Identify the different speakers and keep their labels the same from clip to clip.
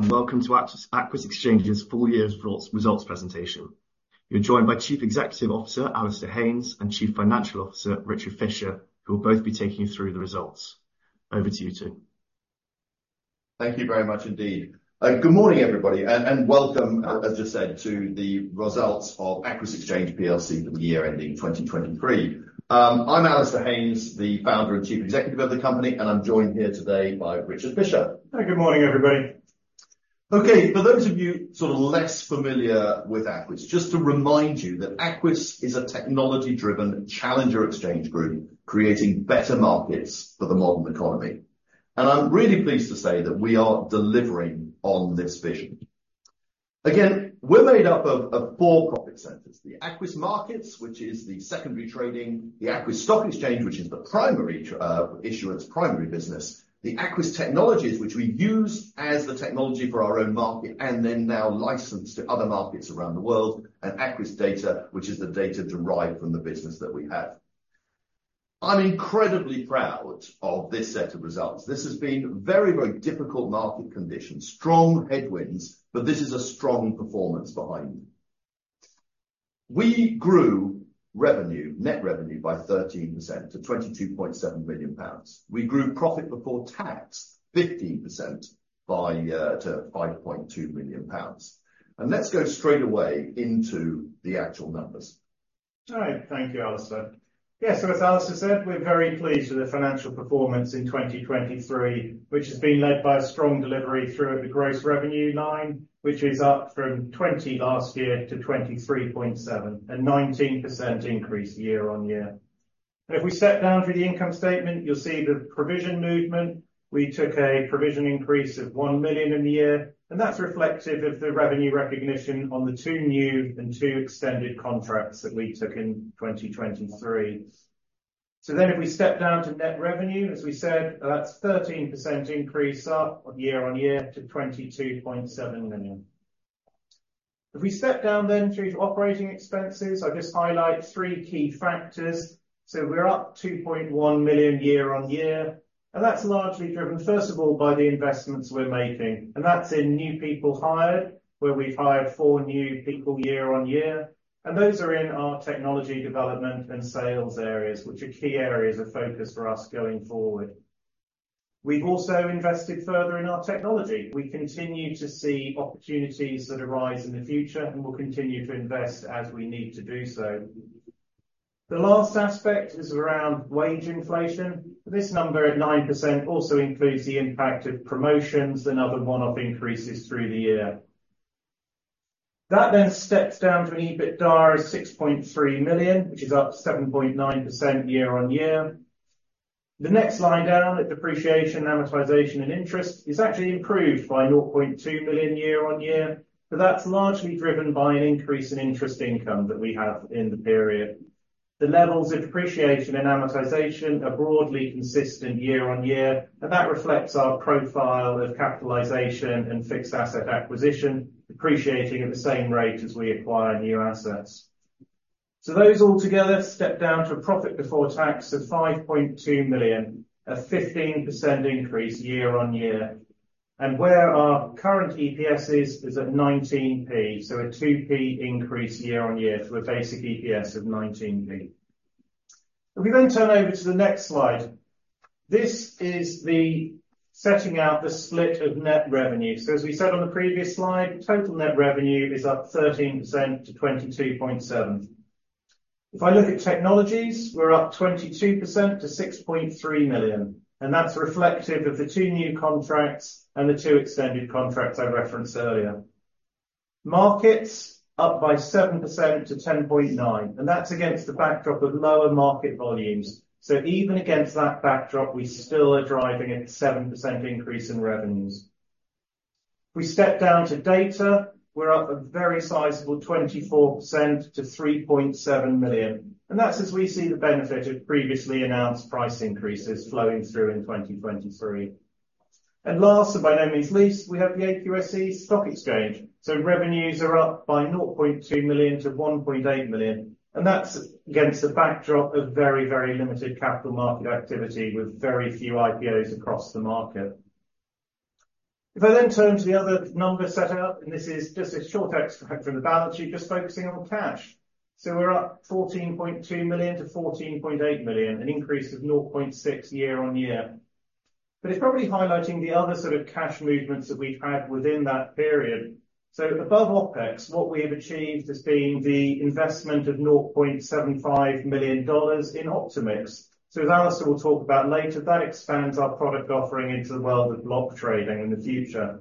Speaker 1: Welcome to Aquis Exchange's full year's results presentation. You're joined by Chief Executive Officer Alasdair Haynes and Chief Financial Officer Richard Fisher, who will both be taking you through the results. Over to you two.
Speaker 2: Thank you very much indeed. Good morning everybody, and welcome, as just said, to the results of Aquis Exchange PLC for the year ending 2023. I'm Alasdair Haynes, the founder and chief executive of the company, and I'm joined here today by Richard Fisher.
Speaker 3: Hi, good morning everybody.
Speaker 2: Okay, for those of you sort of less familiar with Aquis, just to remind you that Aquis is a technology-driven challenger exchange group creating better markets for the modern economy. And I'm really pleased to say that we are delivering on this vision. Again, we're made up of four profit centers: the Aquis Markets, which is the secondary trading, the Aquis Stock Exchange, which is the primary issuance primary business, the Aquis Technologies, which we use as the technology for our own market and then now license to other markets around the world, and Aquis Data, which is the data derived from the business that we have. I'm incredibly proud of this set of results. This has been very, very difficult market conditions, strong headwinds, but this is a strong performance behind it. We grew revenue, net revenue, by 13% to 22.7 million pounds. We grew profit before tax by 15% to 5.2 million pounds. Let's go straight away into the actual numbers.
Speaker 3: All right. Thank you, Alasdair. Yeah, so as Alasdair said, we're very pleased with the financial performance in 2023, which has been led by a strong delivery through the gross revenue line, which is up from 20 million last year to 23.7 million, a 19% increase year-on-year. If we step down through the income statement, you'll see the provision movement. We took a provision increase of 1 million in the year, and that's reflective of the revenue recognition on the two new and two extended contracts that we took in 2023. So then if we step down to net revenue, as we said, that's a 13% increase up year-on-year to 22.7 million. If we step down then through to operating expenses, I'll just highlight three key factors. So we're up 2.1 million year-on-year, and that's largely driven, first of all, by the investments we're making. And that's in new people hired, where we've hired four new people year-on-year. And those are in our technology development and sales areas, which are key areas of focus for us going forward. We've also invested further in our technology. We continue to see opportunities that arise in the future, and we'll continue to invest as we need to do so. The last aspect is around wage inflation. This number at 9% also includes the impact of promotions, another one-off increases through the year. That then steps down to an EBITDA of 6.3 million, which is up 7.9% year-on-year. The next line down, at depreciation, amortization, and interest, is actually improved by 0.2 million year-on-year, but that's largely driven by an increase in interest income that we have in the period. The levels of depreciation and amortization are broadly consistent year-over-year, and that reflects our profile of capitalization and fixed asset acquisition, depreciating at the same rate as we acquire new assets. Those altogether step down to a profit before tax of 5.2 million, a 15% increase year-over-year. Where our current EPS is, is at 19p, so a 2p increase year-over-year for a basic EPS of 19p. If we then turn over to the next slide, this is the setting out the split of net revenue. As we said on the previous slide, total net revenue is up 13% to 22.7 million. If I look at technologies, we're up 22% to 6.3 million, and that's reflective of the two new contracts and the two extended contracts I referenced earlier. Markets up by 7% to 10.9 million, and that's against the backdrop of lower market volumes. So even against that backdrop, we still are driving a 7% increase in revenues. If we step down to data, we're up a very sizable 24% to 3.7 million. And that's as we see the benefit of previously announced price increases flowing through in 2023. And last, and by no means least, we have the AQSE stock exchange. So revenues are up by 0.2 million to 1.8 million, and that's against a backdrop of very, very limited capital market activity with very few IPOs across the market. If I then turn to the other number set out, and this is just a short extract from the balance sheet, just focusing on cash. So we're up 14.2 million to 14.8 million, an increase of 0.6 million year-on-year. But it's probably highlighting the other sort of cash movements that we've had within that period. So above OPEX, what we have achieved has been the investment of $0.75 million in OptimX. So as Alasdair will talk about later, that expands our product offering into the world of block trading in the future.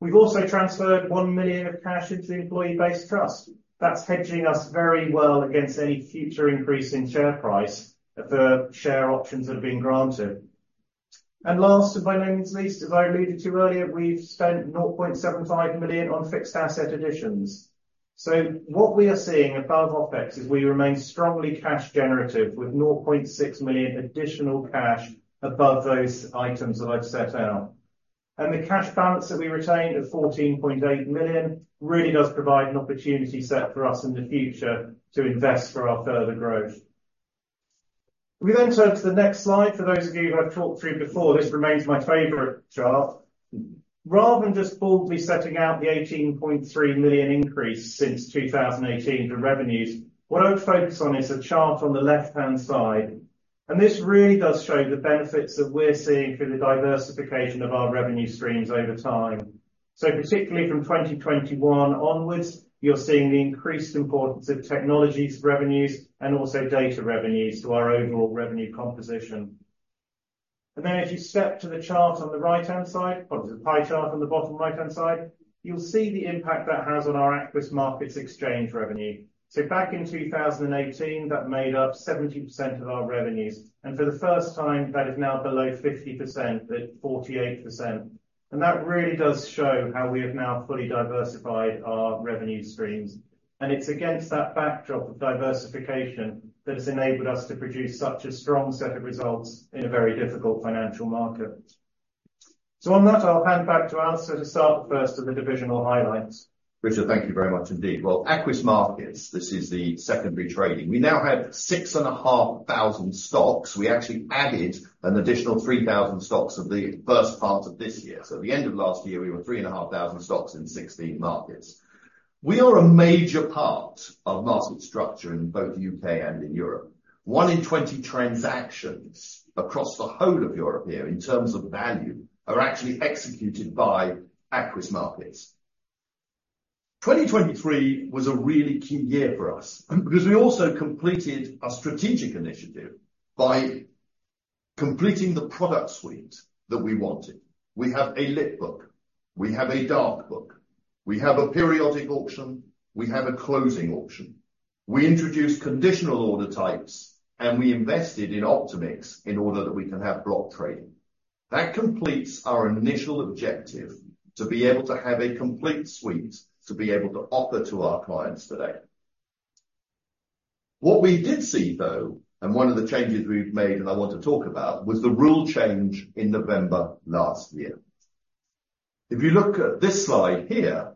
Speaker 3: We've also transferred 1 million of cash into the employee-based trust. That's hedging us very well against any future increase in share price for share options that have been granted. And last, and by no means least, as I alluded to earlier, we've spent 0.75 million on fixed asset additions. So what we are seeing above OPEX is we remain strongly cash generative with 0.6 million additional cash above those items that I've set out. The cash balance that we retained of 14.8 million really does provide an opportunity set for us in the future to invest for our further growth. If we then turn to the next slide, for those of you who I've talked through before, this remains my favorite chart. Rather than just boldly setting out the 18.3 million increase since 2018 for revenues, what I would focus on is a chart on the left-hand side. This really does show the benefits that we're seeing through the diversification of our revenue streams over time. So particularly from 2021 onwards, you're seeing the increased importance of technologies revenues and also data revenues to our overall revenue composition. Then if you step to the chart on the right-hand side, obviously the pie chart on the bottom right-hand side, you'll see the impact that has on our Aquis Markets exchange revenue. Back in 2018, that made up 70% of our revenues. For the first time, that is now below 50% at 48%. That really does show how we have now fully diversified our revenue streams. It's against that backdrop of diversification that has enabled us to produce such a strong set of results in a very difficult financial market. On that, I'll hand back to Alasdair to start the first of the divisional highlights.
Speaker 2: Richard, thank you very much indeed. Well, Aquis Markets, this is the secondary trading. We now have 6,500 stocks. We actually added an additional 3,000 stocks in the first part of this year. So at the end of last year, we were 3,500 stocks in 16 markets. We are a major part of market structure in both the U.K. and in Europe. One in 20 transactions across the whole of Europe here, in terms of value, are actually executed by Aquis Markets. 2023 was a really key year for us because we also completed a strategic initiative by completing the product suite that we wanted. We have a Lit Book. We have a Dark Book. We have a Periodic Auction. We have a Closing Auction. We introduced conditional order types, and we invested in OptimX in order that we can have block trading. That completes our initial objective to be able to have a complete suite to be able to offer to our clients today. What we did see, though, and one of the changes we've made and I want to talk about, was the rule change in November last year. If you look at this slide here,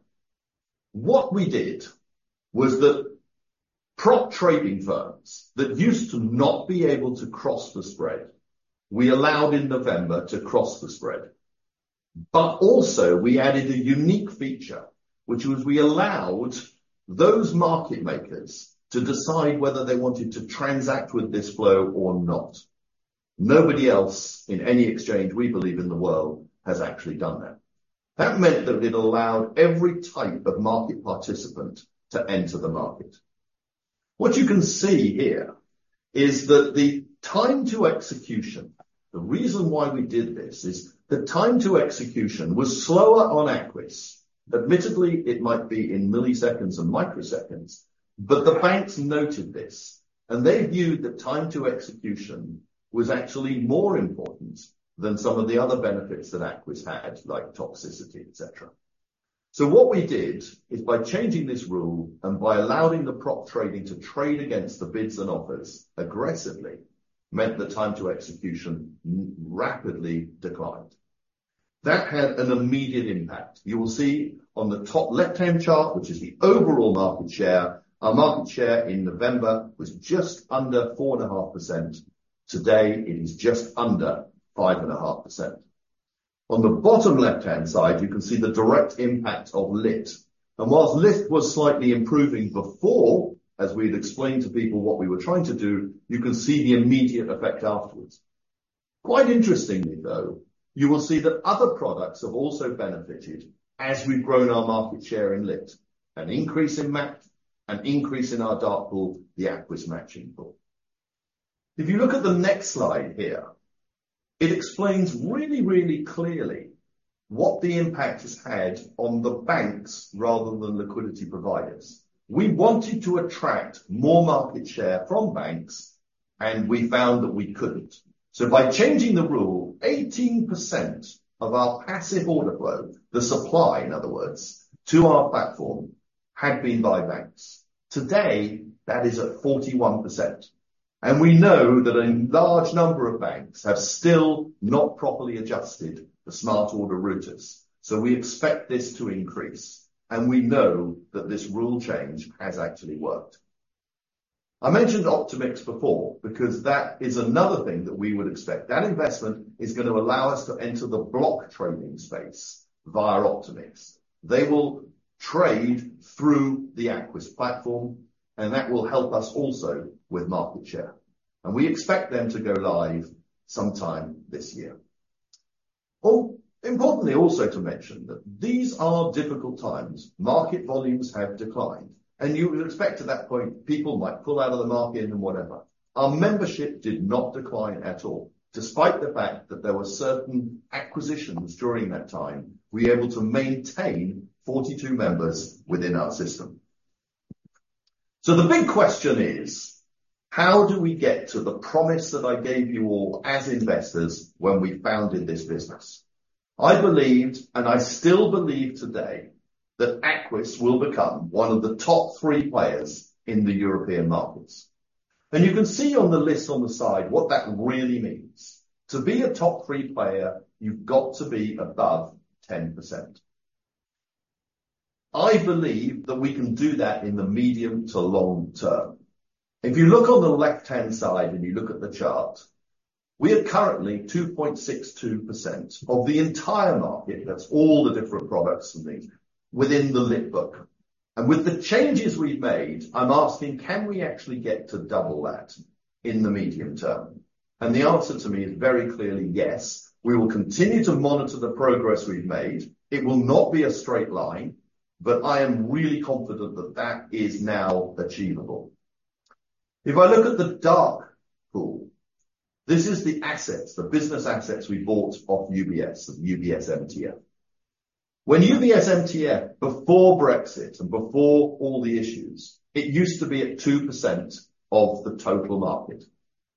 Speaker 2: what we did was that prop trading firms that used to not be able to cross the spread, we allowed in November to cross the spread. But also we added a unique feature, which was we allowed those market makers to decide whether they wanted to transact with this flow or not. Nobody else in any exchange, we believe, in the world has actually done that. That meant that it allowed every type of market participant to enter the market. What you can see here is that the time to execution, the reason why we did this is the time to execution was slower on Aquis. Admittedly, it might be in milliseconds and microseconds, but the banks noted this, and they viewed that time to execution was actually more important than some of the other benefits that Aquis had, like toxicity, etc. So what we did is by changing this rule and by allowing the prop trading to trade against the bids and offers aggressively, meant the time to execution rapidly declined. That had an immediate impact. You will see on the top left-hand chart, which is the overall market share, our market share in November was just under 4.5%. Today, it is just under 5.5%. On the bottom left-hand side, you can see the direct impact of lit. While lit was slightly improving before, as we had explained to people what we were trying to do, you can see the immediate effect afterwards. Quite interestingly, though, you will see that other products have also benefited as we've grown our market share in lit, an increase in MaC, an increase in our dark pool, the Aquis Matching Pool. If you look at the next slide here, it explains really, really clearly what the impact has had on the banks rather than liquidity providers. We wanted to attract more market share from banks, and we found that we couldn't. So by changing the rule, 18% of our passive order flow, the supply, in other words, to our platform had been by banks. Today, that is at 41%. And we know that a large number of banks have still not properly adjusted the smart order routers. So we expect this to increase, and we know that this rule change has actually worked. I mentioned OptimX before because that is another thing that we would expect. That investment is going to allow us to enter the block trading space via OptimX. They will trade through the Aquis platform, and that will help us also with market share. And we expect them to go live sometime this year. Oh, importantly also to mention that these are difficult times. Market volumes have declined, and you would expect at that point people might pull out of the market and whatever. Our membership did not decline at all, despite the fact that there were certain acquisitions during that time we were able to maintain 42 members within our system. The big question is, how do we get to the promise that I gave you all as investors when we founded this business? I believed, and I still believe today, that Aquis will become one of the top three players in the European markets. You can see on the list on the side what that really means. To be a top three player, you've got to be above 10%. I believe that we can do that in the medium to long term. If you look on the left-hand side and you look at the chart, we are currently 2.62% of the entire market, that's all the different products and things, within the lit book. With the changes we've made, I'm asking, can we actually get to double that in the medium term? The answer to me is very clearly yes. We will continue to monitor the progress we've made. It will not be a straight line, but I am really confident that that is now achievable. If I look at the dark pool, this is the assets, the business assets we bought off UBS, the UBS MTF. When UBS MTF, before Brexit and before all the issues, it used to be at 2% of the total market.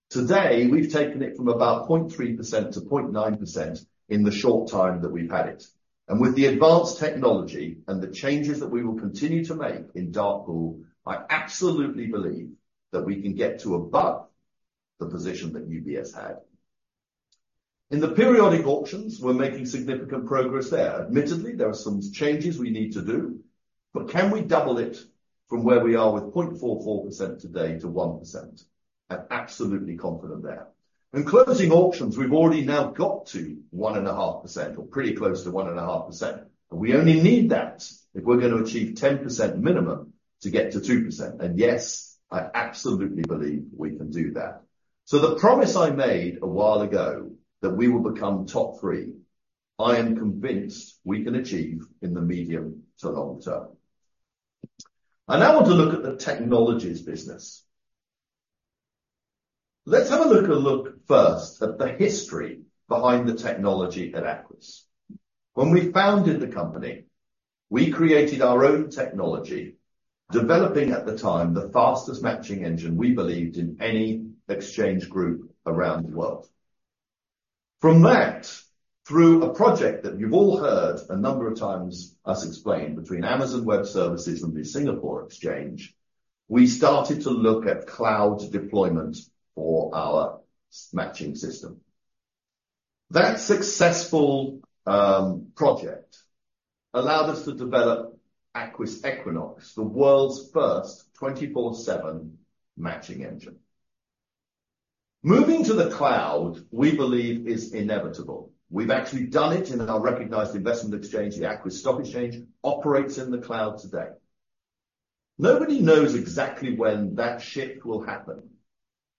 Speaker 2: Today, we've taken it from about 0.3%-0.9% in the short time that we've had it. And with the advanced technology and the changes that we will continue to make in dark pool, I absolutely believe that we can get to above the position that UBS had. In the periodic auctions, we're making significant progress there. Admittedly, there are some changes we need to do. But can we double it from where we are with 0.44%-1%? I'm absolutely confident there. Closing auctions, we've already now got to 1.5% or pretty close to 1.5%. We only need that if we're going to achieve 10% minimum to get to 2%. Yes, I absolutely believe we can do that. So the promise I made a while ago that we will become top three, I am convinced we can achieve in the medium to long term. I now want to look at the technologies business. Let's have a look first at the history behind the technology at Aquis. When we founded the company, we created our own technology, developing at the time the fastest matching engine we believed in any exchange group around the world. From that, through a project that you've all heard a number of times us explain between Amazon Web Services and the Singapore Exchange, we started to look at cloud deployment for our matching system. That successful project allowed us to develop Aquis Equinox, the world's first 24/7 matching engine. Moving to the cloud, we believe, is inevitable. We've actually done it in our recognized investment exchange, the Aquis Stock Exchange, operates in the cloud today. Nobody knows exactly when that shift will happen.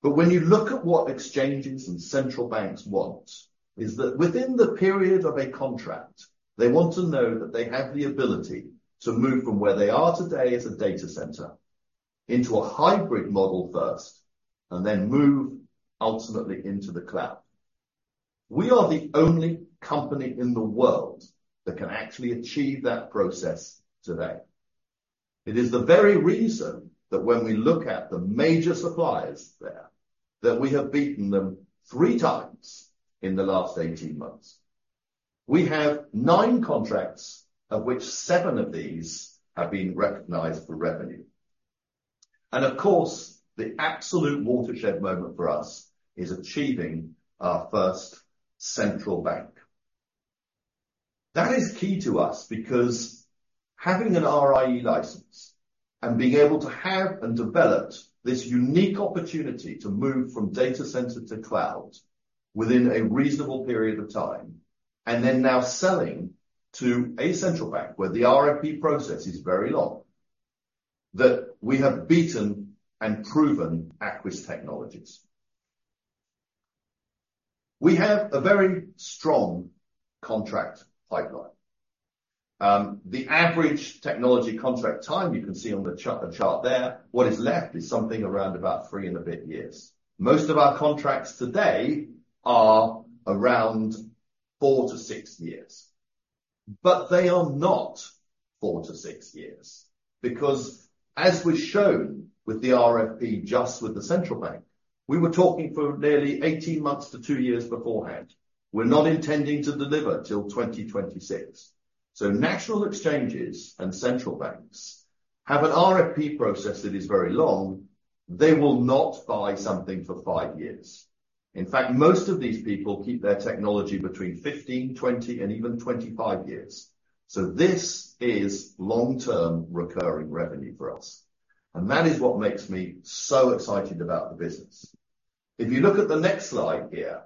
Speaker 2: But when you look at what exchanges and central banks want, is that within the period of a contract, they want to know that they have the ability to move from where they are today as a data center into a hybrid model first and then move ultimately into the cloud. We are the only company in the world that can actually achieve that process today. It is the very reason that when we look at the major suppliers there, that we have beaten them 3x in the last 18 months. We have nine contracts, of which seven of these have been recognized for revenue. And of course, the absolute watershed moment for us is achieving our first central bank. That is key to us because having an RIE license and being able to have and develop this unique opportunity to move from data center to cloud within a reasonable period of time, and then now selling to a central bank where the RFP process is very long, that we have beaten and proven Aquis Technologies. We have a very strong contract pipeline. The average technology contract time you can see on the chart there, what is left is something around about 3 and a bit years. Most of our contracts today are around 4-6 years. But they are not 4-6 years because, as we've shown with the RFP just with the central bank, we were talking for nearly 18 months to two years beforehand. We're not intending to deliver till 2026. So national exchanges and central banks have an RFP process that is very long. They will not buy something for five years. In fact, most of these people keep their technology between 15, 20, and even 25 years. So this is long-term recurring revenue for us. And that is what makes me so excited about the business. If you look at the next slide here,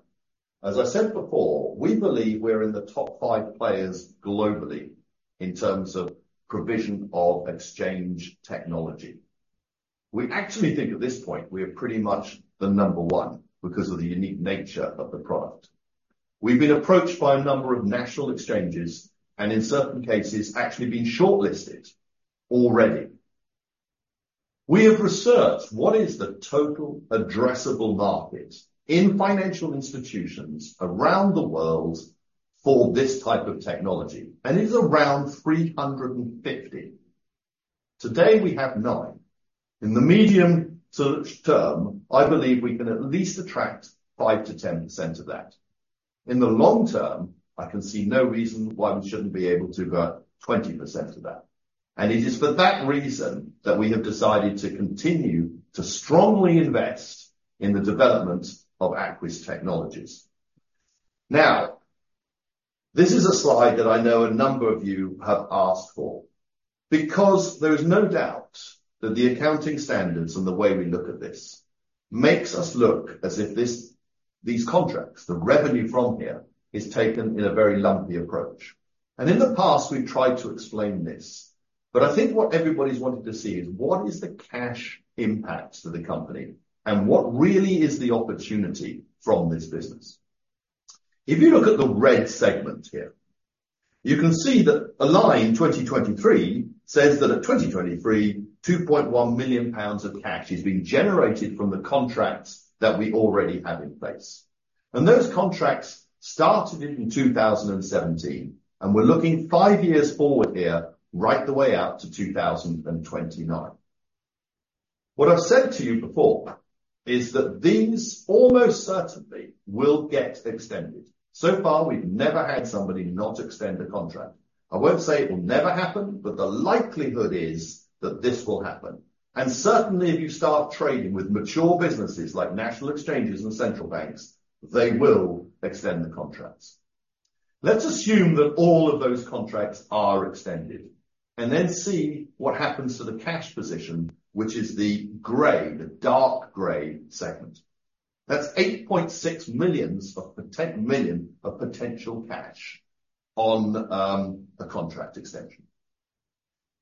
Speaker 2: as I said before, we believe we're in the top five players globally in terms of provision of exchange technology. We actually think at this point we are pretty much the number one because of the unique nature of the product. We've been approached by a number of national exchanges and in certain cases actually been shortlisted already. We have researched what is the total addressable market in financial institutions around the world for this type of technology. It is around 350. Today, we have nine. In the medium term, I believe we can at least attract 5%-10% of that. In the long term, I can see no reason why we shouldn't be able to go at 20% of that. It is for that reason that we have decided to continue to strongly invest in the development of Aquis Technologies. Now, this is a slide that I know a number of you have asked for because there is no doubt that the accounting standards and the way we look at this makes us look as if these contracts, the revenue from here, is taken in a very lumpy approach. And in the past, we've tried to explain this. But I think what everybody's wanted to see is, what is the cash impact to the company? And what really is the opportunity from this business? If you look at the red segment here, you can see that a line 2023 says that at 2023, 2.1 million pounds of cash is being generated from the contracts that we already have in place. And those contracts started in 2017. And we're looking five years forward here right the way out to 2029. What I've said to you before is that these almost certainly will get extended. So far, we've never had somebody not extend a contract. I won't say it will never happen, but the likelihood is that this will happen. And certainly, if you start trading with mature businesses like national exchanges and central banks, they will extend the contracts. Let's assume that all of those contracts are extended and then see what happens to the cash position, which is the grey, the dark grey segment. That's 8.6 million of potential cash on a contract extension.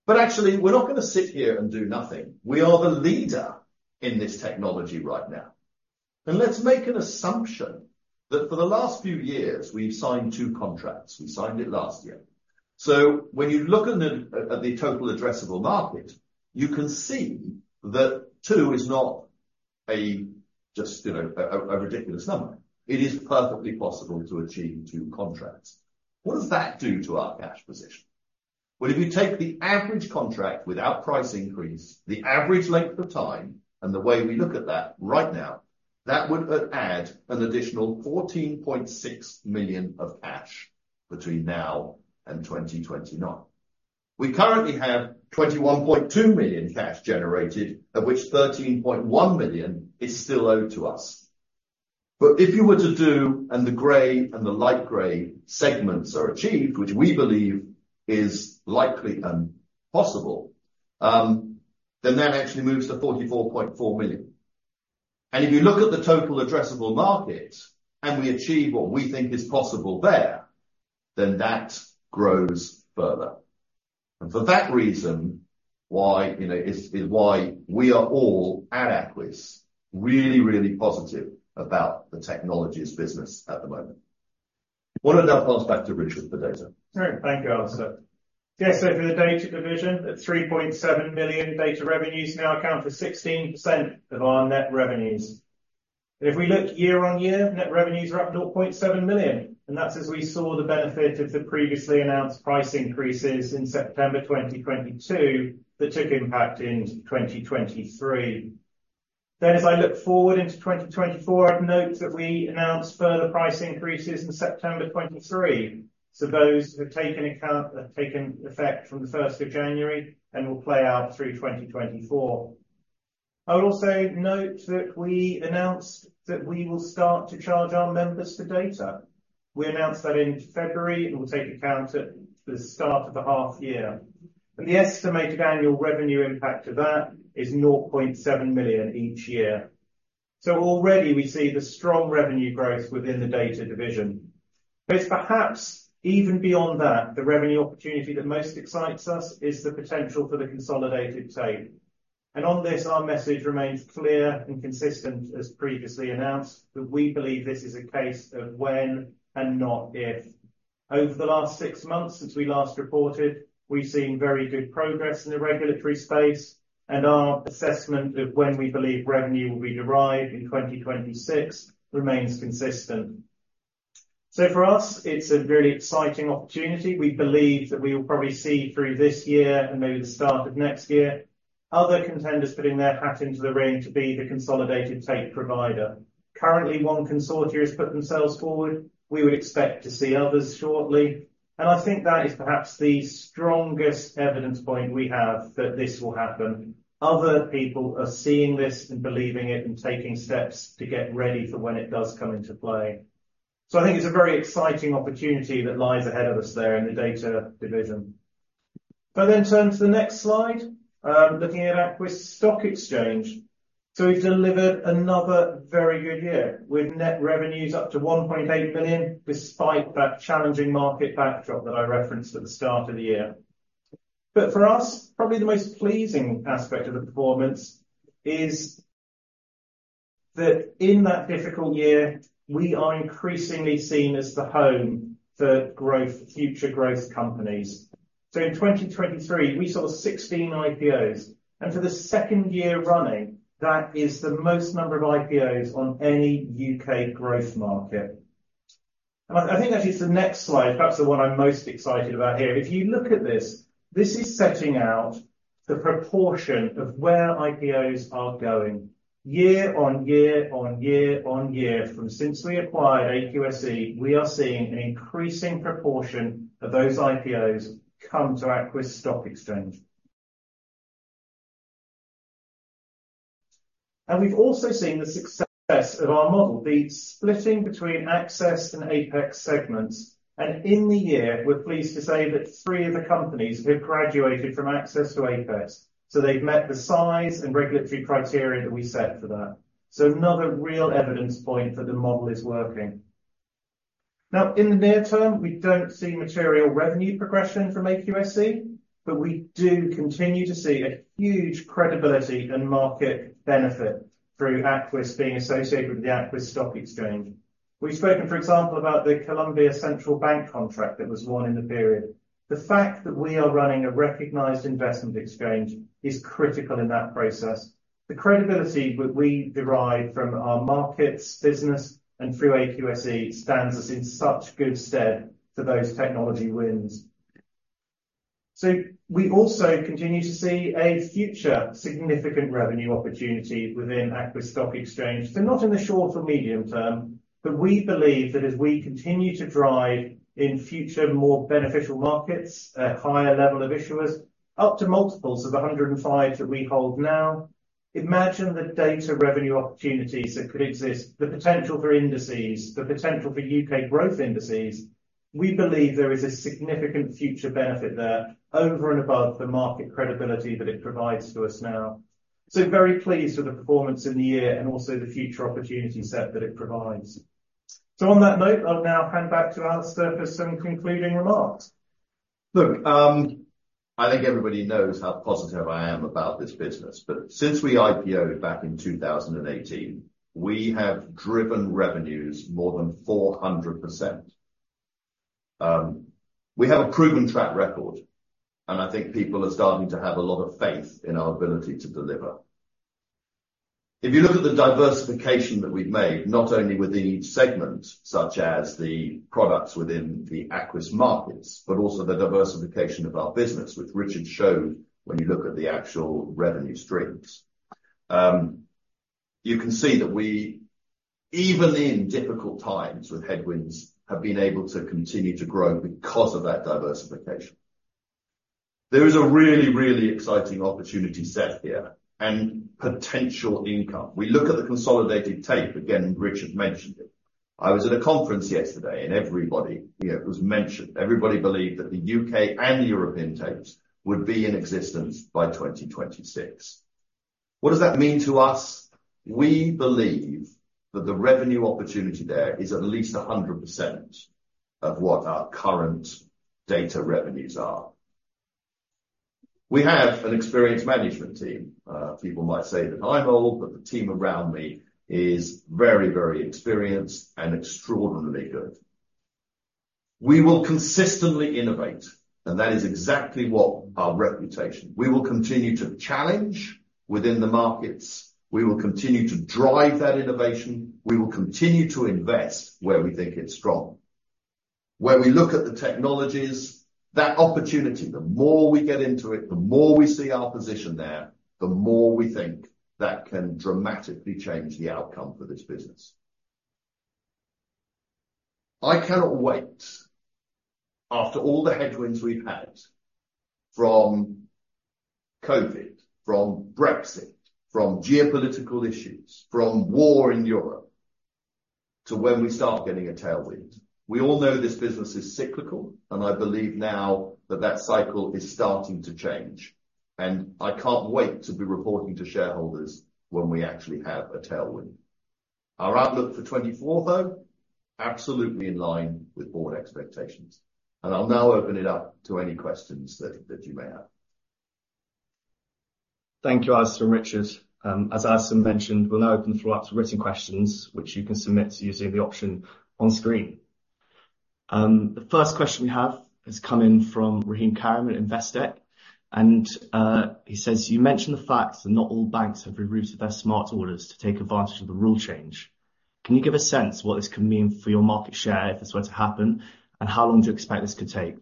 Speaker 2: But actually, we're not going to sit here and do nothing. We are the leader in this technology right now. And let's make an assumption that for the last few years, we've signed two contracts. We signed it last year. So when you look at the total addressable market, you can see that two is not just, you know, a ridiculous number. It is perfectly possible to achieve two contracts. What does that do to our cash position? Well, if you take the average contract without price increase, the average length of time, and the way we look at that right now, that would add an additional 14.6 million of cash between now and 2029. We currently have 21.2 million cash generated, of which 13.1 million is still owed to us. But if you were to do and the grey and the light grey segments are achieved, which we believe is likely and possible, then that actually moves to 44.4 million. And if you look at the total addressable market and we achieve what we think is possible there, then that grows further. For that reason why, you know, is why we are all at Aquis really, really positive about the technologies business at the moment. I want to now pass back to Richard for data.
Speaker 3: All right. Thank you, Alasdair. Yes. So for the data division, 3.7 million data revenues now account for 16% of our net revenues. And if we look year-on-year, net revenues are up 0.7 million. And that's as we saw the benefit of the previously announced price increases in September 2022 that took impact in 2023. Then as I look forward into 2024, I'd note that we announced further price increases in September 2023. So those have taken effect from the 1st of January and will play out through 2024. I would also note that we announced that we will start to charge our members for data. We announced that in February and will take account at the start of the half year. The estimated annual revenue impact of that is 0.7 million each year. So already we see the strong revenue growth within the data division. But it's perhaps even beyond that, the revenue opportunity that most excites us is the potential for the Consolidated Tape. On this, our message remains clear and consistent as previously announced, that we believe this is a case of when and not if. Over the last six months since we last reported, we've seen very good progress in the regulatory space. Our assessment of when we believe revenue will be derived in 2026 remains consistent. So for us, it's a really exciting opportunity. We believe that we will probably see through this year and maybe the start of next year other contenders putting their hat into the ring to be the consolidated tape provider. Currently, one consortium has put themselves forward. We would expect to see others shortly. I think that is perhaps the strongest evidence point we have that this will happen. Other people are seeing this and believing it and taking steps to get ready for when it does come into play. I think it's a very exciting opportunity that lies ahead of us there in the data division. If I then turn to the next slide, looking at Aquis Stock Exchange, we've delivered another very good year with net revenues up to 1.8 million despite that challenging market backdrop that I referenced at the start of the year. But for us, probably the most pleasing aspect of the performance is that in that difficult year, we are increasingly seen as the home for future growth companies. So in 2023, we saw 16 IPOs. And for the second year running, that is the most number of IPOs on any UK growth market. And I think actually it's the next slide, perhaps the one I'm most excited about here. If you look at this, this is setting out the proportion of where IPOs are going year-on-year. From since we acquired AQSE, we are seeing an increasing proportion of those IPOs come to Aquis Stock Exchange. And we've also seen the success of our model, the splitting between Access and Apex segments. And in the year, we're pleased to say that 3 of the companies have graduated from Access to Apex. So they've met the size and regulatory criteria that we set for that. So another real evidence point that the model is working. Now, in the near term, we don't see material revenue progression from AQSE. But we do continue to see a huge credibility and market benefit through Aquis being associated with the Aquis Stock Exchange. We've spoken, for example, about the Colombia Central Bank contract that was won in the period. The fact that we are running a recognized investment exchange is critical in that process. The credibility that we derive from our markets, business, and through AQSE stands us in such good stead for those technology wins. So we also continue to see a future significant revenue opportunity within Aquis Stock Exchange. So not in the short or medium term. But we believe that as we continue to drive in future more beneficial markets, a higher level of issuers, up to multiples of 105 that we hold now, imagine the data revenue opportunities that could exist, the potential for indices, the potential for UK growth indices. We believe there is a significant future benefit there over and above the market credibility that it provides to us now. So very pleased with the performance in the year and also the future opportunity set that it provides. So on that note, I'll now hand back to Alasdair for some concluding remarks.
Speaker 2: Look, I think everybody knows how positive I am about this business. But since we IPOed back in 2018, we have driven revenues more than 400%. We have a proven track record. And I think people are starting to have a lot of faith in our ability to deliver. If you look at the diversification that we've made, not only within each segment such as the products within the Aquis Markets, but also the diversification of our business, which Richard showed when you look at the actual revenue streams, you can see that we, even in difficult times with headwinds, have been able to continue to grow because of that diversification. There is a really, really exciting opportunity set here and potential income. We look at the Consolidated Tape. Again, Richard mentioned it. I was at a conference yesterday, and everybody was mentioned. Everybody believed that the U.K. and the European tapes would be in existence by 2026. What does that mean to us? We believe that the revenue opportunity there is at least 100% of what our current data revenues are. We have an experienced management team. People might say that I'm old, but the team around me is very, very experienced and extraordinarily good. We will consistently innovate. That is exactly what our reputation is. We will continue to challenge within the markets. We will continue to drive that innovation. We will continue to invest where we think it's strong. Where we look at the technologies, that opportunity, the more we get into it, the more we see our position there, the more we think that can dramatically change the outcome for this business. I cannot wait, after all the headwinds we've had from COVID, from Brexit, from geopolitical issues, from war in Europe, to when we start getting a tailwind. We all know this business is cyclical. I believe now that that cycle is starting to change. I can't wait to be reporting to shareholders when we actually have a tailwind. Our outlook for 2024, though, absolutely in line with board expectations. And I'll now open it up to any questions that you may have.
Speaker 1: Thank you, Alasdair and Richard. As Alasdair mentioned, we'll now open the floor up to written questions, which you can submit using the option on screen. The first question we have has come in from Rahim Karim at Investec. And he says, "You mentioned the fact that not all banks have rerouted their smart orders to take advantage of the rule change. Can you give a sense of what this can mean for your market share if this were to happen? And how long do you expect this could take?"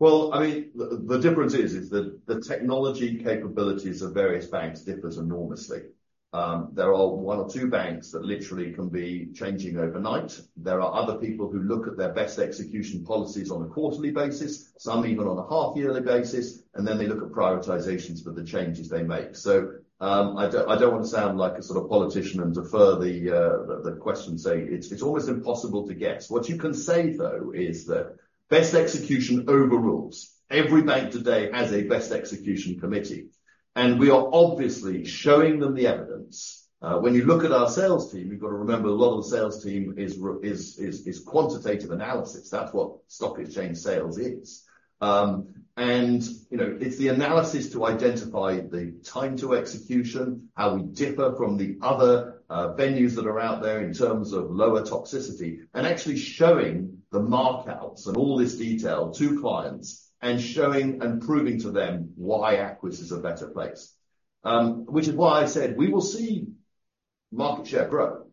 Speaker 2: Well, I mean, the difference is that the technology capabilities of various banks differs enormously. There are one or two banks that literally can be changing overnight. There are other people who look at their best execution policies on a quarterly basis, some even on a half-yearly basis. Then they look at prioritizations for the changes they make. So I don't want to sound like a sort of politician and defer the questions. It's almost impossible to guess. What you can say, though, is that best execution overrules. Every bank today has a best execution committee. And we are obviously showing them the evidence. When you look at our sales team, you've got to remember a lot of the sales team is quantitative analysis. That's what Stock Exchange Sales is. And it's the analysis to identify the time to execution, how we differ from the other venues that are out there in terms of lower toxicity, and actually showing the markouts and all this detail to clients and showing and proving to them why Aquis is a better place, which is why I said we will see market share grow.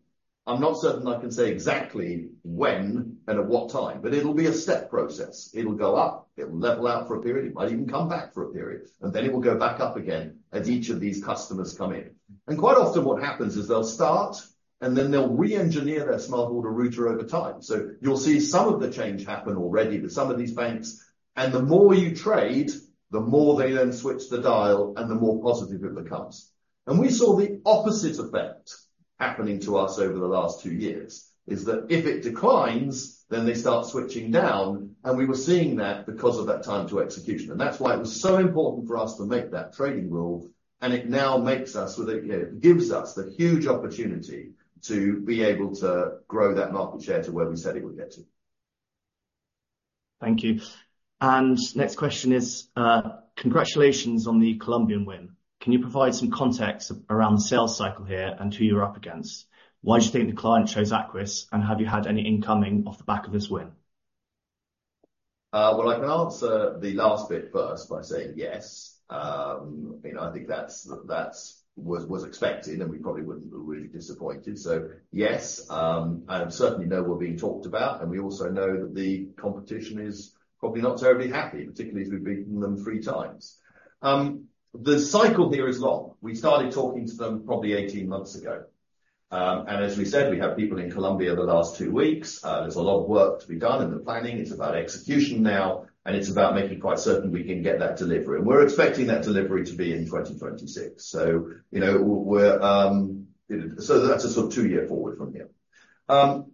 Speaker 2: I'm not certain I can say exactly when and at what time. But it'll be a step process. It'll go up. It'll level out for a period. It might even come back for a period. And then it will go back up again as each of these customers come in. And quite often what happens is they'll start, and then they'll re-engineer their smart order router over time. So you'll see some of the change happen already with some of these banks. The more you trade, the more they then switch the dial, and the more positive it becomes. We saw the opposite effect happening to us over the last two years, is that if it declines, then they start switching down. We were seeing that because of that time to execution. That's why it was so important for us to make that trading rule. It now makes us with it gives us the huge opportunity to be able to grow that market share to where we said it would get to.
Speaker 1: Thank you. The next question is, "Congratulations on the Colombian win. Can you provide some context around the sales cycle here and who you're up against? Why do you think the client chose Aquis? And have you had any incoming off the back of this win?"
Speaker 2: Well, I can answer the last bit first by saying yes. I think that was expected, and we probably wouldn't be really disappointed. So yes. And certainly know we're being talked about. And we also know that the competition is probably not terribly happy, particularly as we've beaten them three times. The cycle here is long. We started talking to them probably 18 months ago. And as we said, we have people in Colombia the last two weeks. There's a lot of work to be done in the planning. It's about execution now. And it's about making quite certain we can get that delivery. And we're expecting that delivery to be in 2026. So that's a sort of two-year forward from here. But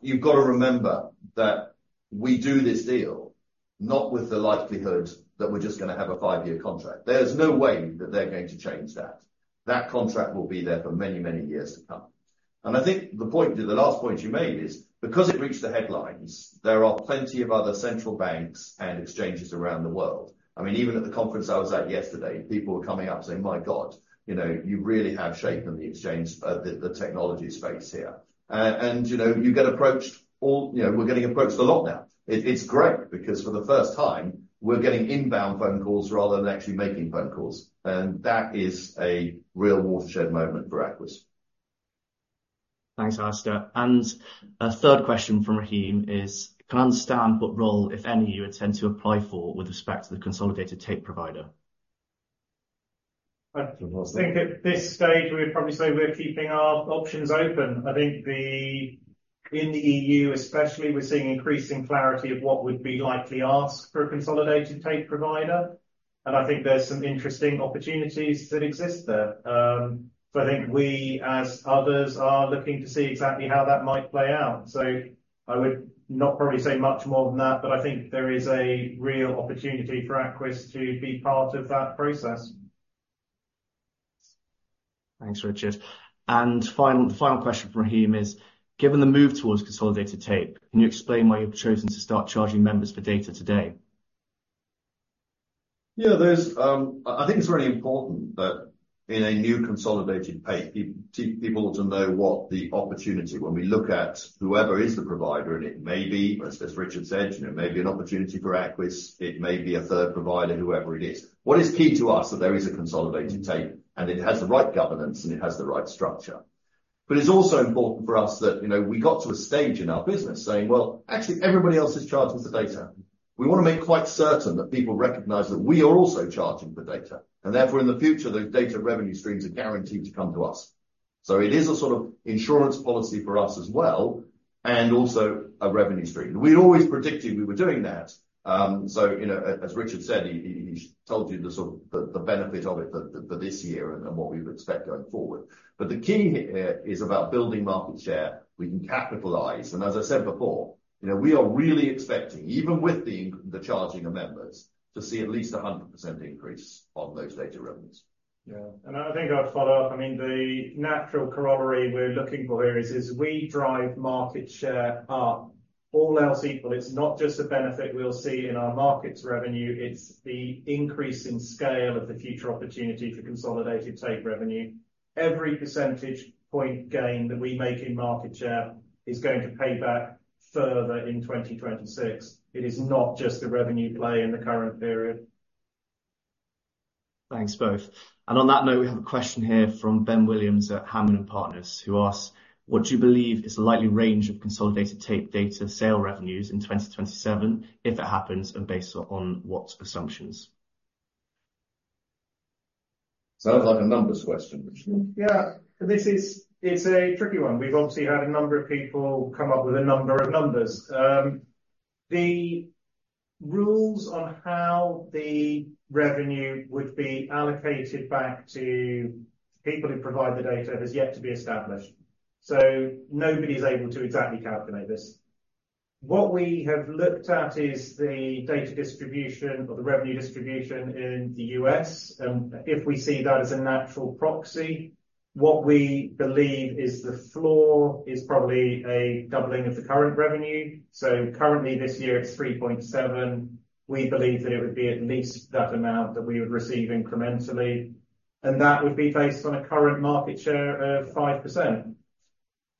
Speaker 2: you've got to remember that we do this deal not with the likelihood that we're just going to have a five-year contract. There's no way that they're going to change that. That contract will be there for many, many years to come. And I think the point, the last point you made is, because it reached the headlines, there are plenty of other central banks and exchanges around the world. I mean, even at the conference I was at yesterday, people were coming up saying, "My God, you really have shaken the technology space here." And you get approached all we're getting approached a lot now. It's great because for the first time, we're getting inbound phone calls rather than actually making phone calls. And that is a real watershed moment for Aquis.
Speaker 1: Thanks, Alasdair. And a third question from Rahim is, "Can I understand what role, if any, you intend to apply for with respect to the consolidated tape provider?"
Speaker 3: I think at this stage, we would probably say we're keeping our options open. I think in the E.U., especially, we're seeing increasing clarity of what would be likely asked for a consolidated tape provider. And I think there's some interesting opportunities that exist there. So I think we, as others, are looking to see exactly how that might play out. So I would not probably say much more than that. But I think there is a real opportunity for Aquis to be part of that process.
Speaker 1: Thanks, Richard. And the final question from Rahim is, "Given the move towards consolidated tape, can you explain why you've chosen to start charging members for data today?"
Speaker 2: Yeah. I think it's really important that in a new consolidated tape, people ought to know what the opportunity when we look at whoever is the provider and it may be, as Richard said, maybe an opportunity for Aquis. It may be a third provider, whoever it is. What is key to us that there is a consolidated tape and it has the right governance and it has the right structure? But it's also important for us that we got to a stage in our business saying, "Well, actually, everybody else is charging for data." We want to make quite certain that people recognize that we are also charging for data. And therefore, in the future, those data revenue streams are guaranteed to come to us. So it is a sort of insurance policy for us as well and also a revenue stream. We'd always predicted we were doing that. So as Richard said, he told you the sort of the benefit of it for this year and what we would expect going forward. But the key here is about building market share. We can capitalize. And as I said before, we are really expecting, even with the charging of members, to see at least 100% increase on those data revenues.
Speaker 3: Yeah. And I think I'd follow up. I mean, the natural corollary we're looking for here is we drive market share up. All else equal, it's not just a benefit we'll see in our markets revenue. It's the increase in scale of the future opportunity for consolidated tape revenue. Every percentage point gain that we make in market share is going to pay back further in 2026. It is not just the revenue play in the current period.
Speaker 1: Thanks both. And on that note, we have a question here from Ben Williams at Hannam & Partners who asks, "What do you believe is the likely range of Consolidated Tape data sale revenues in 2027, if it happens, and based on what assumptions?"
Speaker 2: Sounds like a numbers question, Richard.
Speaker 3: Yeah. This is a tricky one. We've obviously had a number of people come up with a number of numbers. The rules on how the revenue would be allocated back to people who provide the data has yet to be established. So nobody's able to exactly calculate this. What we have looked at is the data distribution or the revenue distribution in the U.S. And if we see that as a natural proxy, what we believe is the floor is probably a doubling of the current revenue. So currently, this year, it's 3.7. We believe that it would be at least that amount that we would receive incrementally. That would be based on a current market share of 5%.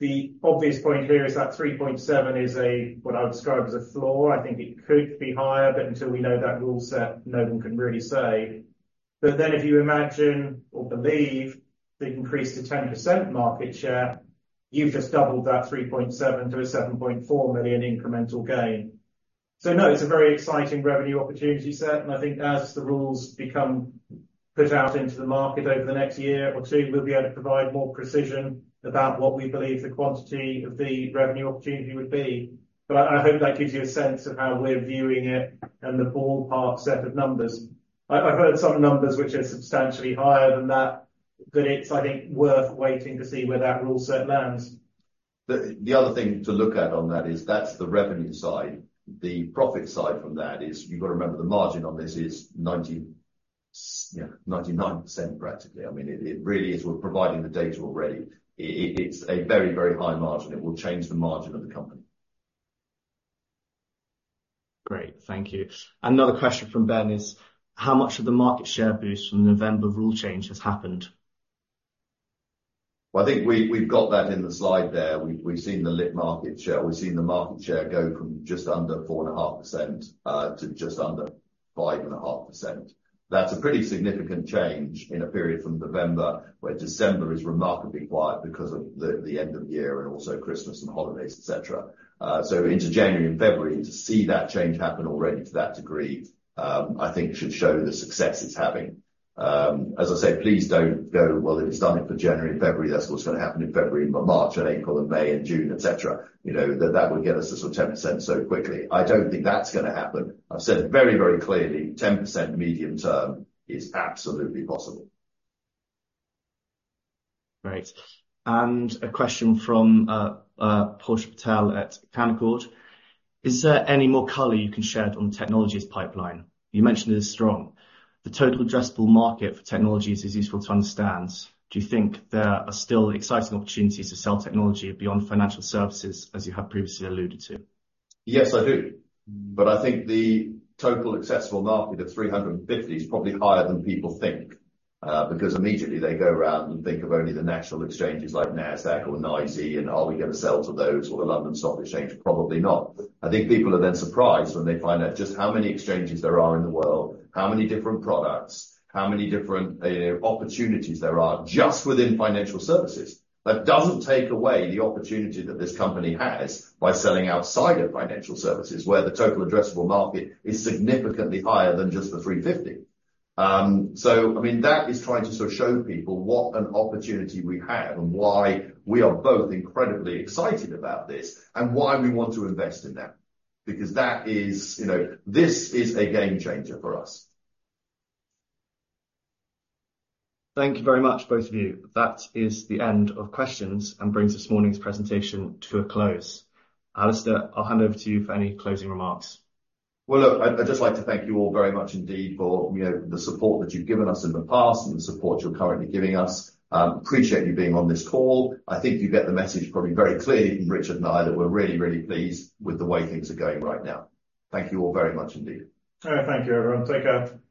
Speaker 3: The obvious point here is that 3.7 million is what I would describe as a floor. I think it could be higher, but until we know that rule set, no one can really say. But then if you imagine or believe the increase to 10% market share, you've just doubled that 3.7 to a 7.4 million incremental gain. So no, it's a very exciting revenue opportunity set. And I think as the rules become put out into the market over the next year or two, we'll be able to provide more precision about what we believe the quantity of the revenue opportunity would be. But I hope that gives you a sense of how we're viewing it and the ballpark set of numbers. I've heard some numbers which are substantially higher than that, but it's, I think, worth waiting to see where that rule set lands.
Speaker 2: The other thing to look at on that is that's the revenue side. The profit side from that is you've got to remember the margin on this is 99%, practically. I mean, it really is we're providing the data already. It's a very, very high margin. It will change the margin of the company.
Speaker 1: Great. Thank you. Another question from Ben is, "How much of the market share boost from November rule change has happened?"
Speaker 2: Well, I think we've got that in the slide there. We've seen the lit market share we've seen the market share go from just under 4.5% to just under 5.5%. That's a pretty significant change in a period from November where December is remarkably quiet because of the end of year and also Christmas and holidays, etc. So into January and February, to see that change happen already to that degree, I think should show the success it's having. As I say, please don't go, "Well, if it's done for January and February, that's what's going to happen in February, March and April and May and June, etc." That would get us to sort of 10% so quickly. I don't think that's going to happen. I've said very, very clearly, 10% medium term is absolutely possible.
Speaker 1: Great. And a question from Portia Patel at Canaccord, "Is there any more clarity you can shed on technology's pipeline? You mentioned it is strong. The total addressable market for technologies is useful to understand. Do you think there are still exciting opportunities to sell technology beyond financial services, as you have previously alluded to?"
Speaker 2: Yes, I do. But I think the total addressable market of 350 is probably higher than people think because immediately they go around and think of only the national exchanges like NASDAQ or NYSE, and are we going to sell to those or the London Stock Exchange? Probably not. I think people are then surprised when they find out just how many exchanges there are in the world, how many different products, how many different opportunities there are just within financial services. That doesn't take away the opportunity that this company has by selling outside of financial services where the total addressable market is significantly higher than just the 350. So I mean, that is trying to sort of show people what an opportunity we have and why we are both incredibly excited about this and why we want to invest in them because that is this is a game changer for us.
Speaker 1: Thank you very much, both of you. That is the end of questions and brings this morning's presentation to a close. Alasdair, I'll hand over to you for any closing remarks.
Speaker 2: Well, look, I'd just like to thank you all very much indeed for the support that you've given us in the past and the support you're currently giving us. Appreciate you being on this call. I think you get the message probably very clearly from Richard and I that we're really, really pleased with the way things are going right now. Thank you all very much indeed.
Speaker 1: All right. Thank you, everyone. Take care.